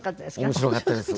面白かったです。